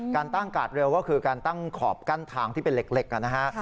การตั้งกาดเร็วก็คือการตั้งขอบกั้นทางที่เป็นเหล็กนะฮะ